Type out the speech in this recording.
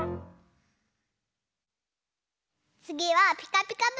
つぎは「ピカピカブ！」。